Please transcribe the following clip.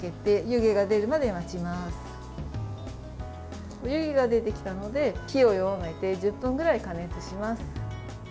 湯気が出てきたので火を弱めて１０分ぐらい加熱します。